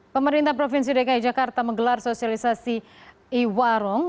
pemerintah provinsi dki jakarta menggelar sosialisasi iwarong